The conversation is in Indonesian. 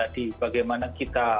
ya digital minimalism terkait dengan tadi